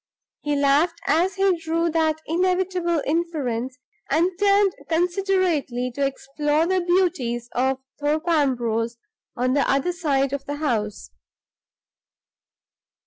He laughed as he drew that inevitable inference, and turned considerately to explore the beauties of Thorpe Ambrose on the other side of the house.